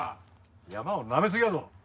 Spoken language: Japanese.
山をなめすぎやぞ！